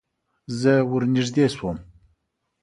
زه ور نږدې شوم.